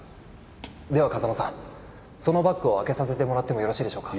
では風間さんそのバッグを開けさせてもらってもよろしいでしょうか？